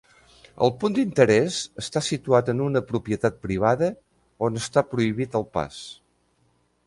El punt d'interès està situat en una propietat privada on està prohibit el pas.